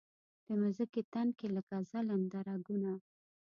د مځکې تن کې لکه ځلنده رګونه